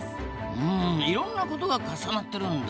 うんいろんなことが重なってるんだ。